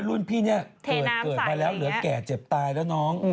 รุ่นพี่เนี่ยเกิดมาแล้วเหลือแก่เจ็บตายแล้วน้อง